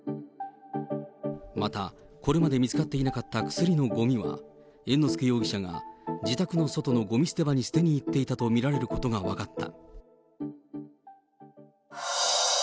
また、これまで見つかっていなかった薬のごみは、猿之助容疑者が自宅の外のごみ捨て場に捨てに行っていたと見られることが分かった。